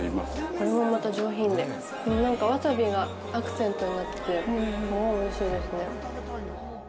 これもまた上品でワサビがアクセントになっててすごいおいしいですね。